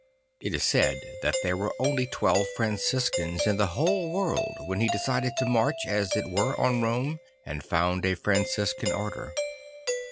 It is said that there were only twelve Franciscans in the whole world when he decided to march, as it were, on Rome and found a Franciscan order.